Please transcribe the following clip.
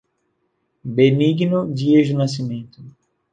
Benigno Dias do Nascimento